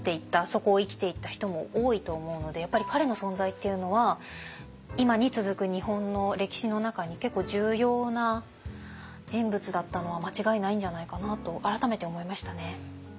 そこを生きていった人も多いと思うのでやっぱり彼の存在っていうのは今に続く日本の歴史の中に結構重要な人物だったのは間違いないんじゃないかなと改めて思いましたね。